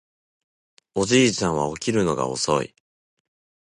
おじいちゃんは起きるのが遅い